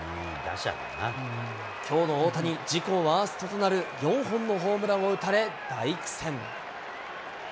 きょうの大谷、自己ワーストとなる４本のホームランを打たれ、大苦戦。